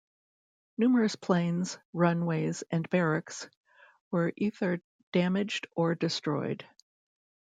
Numerous planes, runways and barracks were ether damaged or destroyed.